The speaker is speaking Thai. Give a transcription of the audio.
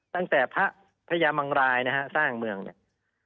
ตั้งแต่พระพญามังรายนะฮะสร้างเมืองเนี่ย